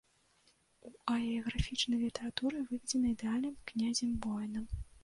У агіяграфічнай літаратуры выведзены ідэальным князем-воінам.